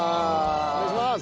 お願いします！